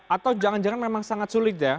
atau jangan jangan memang sangat sulit ya